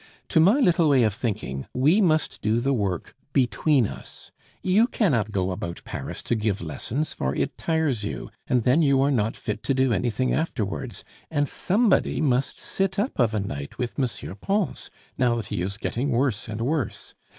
To my little way of thinking, we must do the work between us. You cannot go about Paris to give lessons for it tires you, and then you are not fit to do anything afterwards, and somebody must sit up of a night with M. Pons, now that he is getting worse and worse.